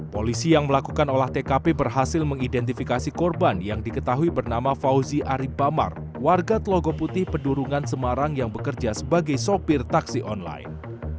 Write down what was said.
polisi yang melakukan olah tkp berhasil mengidentifikasi korban yang diketahui bernama fauzi arief bamar warga telogoputi pedurungan semarang yang bekerja sebagai sopir taksi online